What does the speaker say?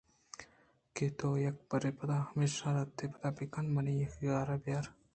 کہ تویک برے پدا ہپشاہءَ ردے پدّےبِہ کنءُ منی غارءَبیار